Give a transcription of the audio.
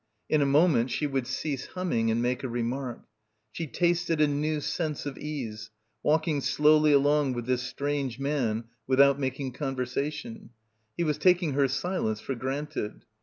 In a moment she would cease humming and make a remark. She tasted a new sense of ease, walking slowly along with this strange man without "making conversa tion." He was taking her silence for granted.